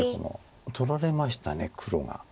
取られました黒が。